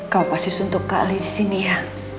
kau pasti suntuk kak ali disini ya